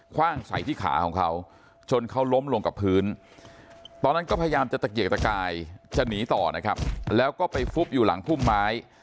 ว่างใส่ที่ขาของเขาจนเขาล้มลงกับพื้นตอนนั้นก็พยายามจะตะเกียกตะกายจะหนีต่อนะครับแล้วก็ไปฟุบอยู่หลังพุ่มไม้